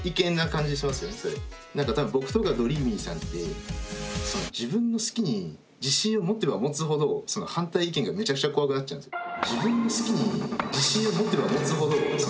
なんか多分僕とかどりーみぃさんって自分の好きに自信を持てば持つほど反対意見がめちゃくちゃ怖くなっちゃうんですよ。